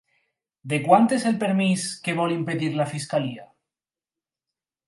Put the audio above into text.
De quant és el permís que vol impedir la fiscalia?